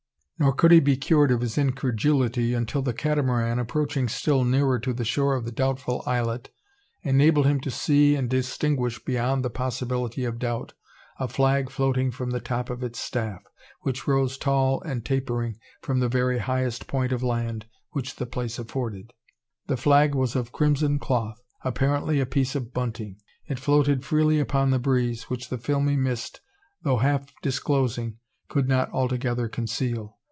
Nor could he be cured of his incredulity until the Catamaran, approaching still nearer to the shore of the doubtful islet, enabled him to see and distinguish beyond the possibility of doubt a flag floating from the top of its staff, which rose tall and tapering from the very highest point of land which the place afforded! The flag was of crimson cloth, apparently a piece of bunting. It floated freely upon the breeze; which the filmy mist, though half disclosing, could not altogether conceal.